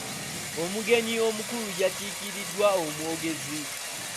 Omugenyi omukulu yakiikiridddwa omwogezi.